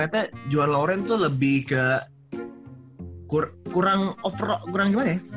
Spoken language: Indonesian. katanya juan loren tuh lebih ke kurang off rock kurang gimana ya